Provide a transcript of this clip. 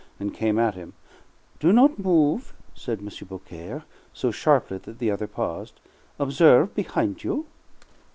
and came at him. "Do not move," said M. Beaucaire, so sharply that the other paused. "Observe behind you."